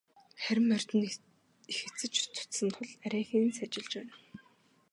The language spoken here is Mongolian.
Харин морьд нь их эцэж цуцсан тул арайхийн сажилж байна.